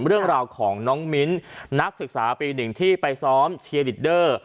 เรื่องราวของน้องมิ้นนักศึกษาปี๑ที่ไปซ้อมเชียร์ลีดเดอร์